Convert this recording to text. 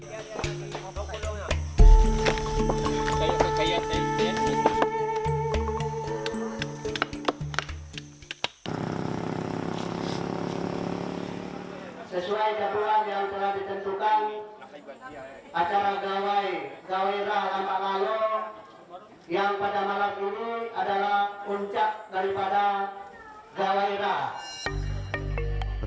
sesuai kegiatan yang telah ditentukan acara gawairah lambak malam yang pada malam ini adalah puncak daripada gawairah